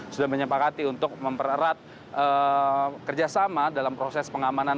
sudah menyepakati untuk mempererat kerjasama dalam proses pengamanan